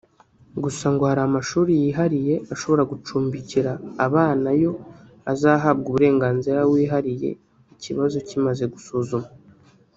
Gusa ngo hari amashuri yihariye ashobora gucumbikira abana yo azahabwa uburenganzira wihariye ikibazo kimaze gusuzumwa